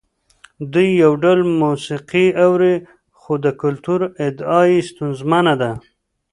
دوی یو ډول موسیقي اوري خو د کلتور ادعا یې ستونزمنه ده.